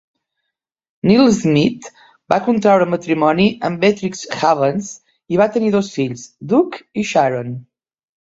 Neal Smith va contraure matrimoni amb Beatrix Havens i va tenir dos fills, Doug i Sharon.